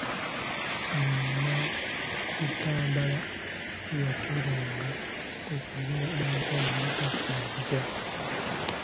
Munabutambala eyateranga okugula amata yali takyajja.